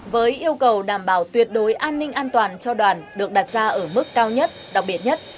với yêu cầu đảm bảo tuyệt đối an ninh an toàn cho đoàn được đặt ra ở mức cao nhất đặc biệt nhất